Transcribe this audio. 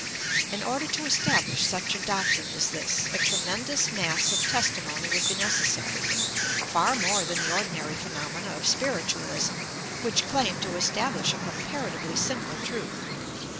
In order to estab lish such a doctrine as this, a tremendous mass of testi mony would be necessary, — far more than the ordinary phenomena of spiritualism, which claim to establish a comparatively simple truth.